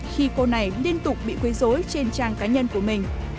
khi cô này liên tục bị quấy dối trên trang cá nhân của mình